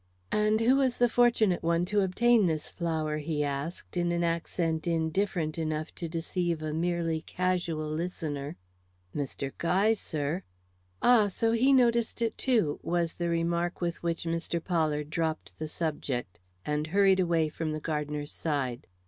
"And who was the fortunate one to obtain this flower?" he asked, in an accent indifferent enough to deceive a merely casual listener. "Mr. Guy, sir." "Ah, so he noticed it too!" was the remark with which Mr. Pollard dropped the subject, and hurried away from the gardener's side.